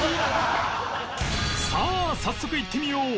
さあ早速いってみよう！